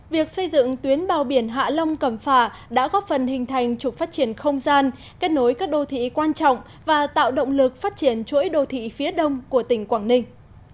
việc xây dựng tuyến bao biển hạ long cẩm phả đã góp phần hình thành trục phát triển không gian kết nối các đô thị quan trọng và tạo động lực phát triển chuỗi đô thị phía đông của tỉnh quảng ninh